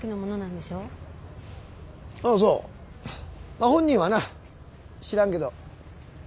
まあ本人はな知らんけど。